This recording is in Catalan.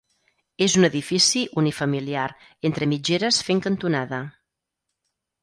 És un edifici unifamiliar entre mitgeres fent cantonada.